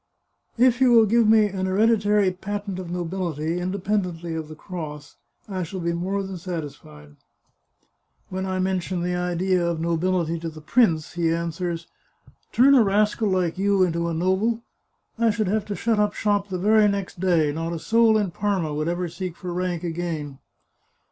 " If you will give me an hereditary patent of nobility, independently of the Cross, I shall be more than satisfied. When I mention the idea of nobility to the prince, he an swers :* Turn a rascal like you into a noble ! I should have to shut up shop the very next day ; not a soul in Parma would ever seek for rank again.